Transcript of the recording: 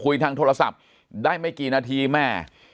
ทางโทรศัพท์ได้ไม่กี่นาทีแม่